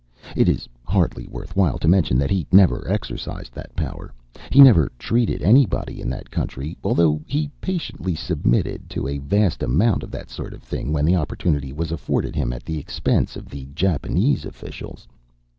It is hardly worth while to mention that he never exercised that power; he never treated anybody in that country, although he patiently submitted to a vast amount of that sort of thing when the opportunity was afforded him at the expense of the Japanese officials.